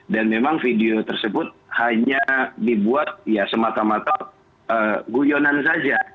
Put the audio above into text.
dan memang video tersebut hanya dibuat semata mata guyonan saja